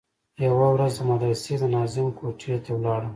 يوه ورځ د مدرسې د ناظم کوټې ته ولاړم.